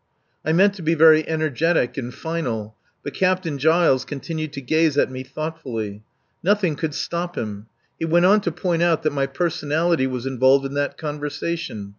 I meant to be very energetic and final, but Captain Giles continued to gaze at me thoughtfully. Nothing could stop him. He went on to point out that my personality was involved in that conversation.